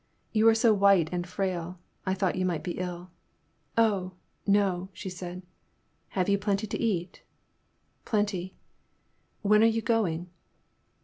You are so white and frail — I thought you might be ill." *' Oh, no," she said. Have you plenty to eat ?" Plenty." When are you going